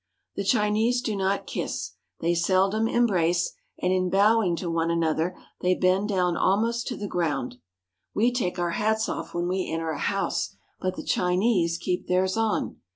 The Chinese do not kiss. They Seldom em brace, and in bowing to one another they bend down almost to the ground. We take our hats off when we enter a house, but the Chinese keep theirs on.